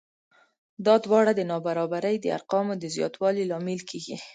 دا دواړه د نابرابرۍ د ارقامو د زیاتوالي لامل کېږي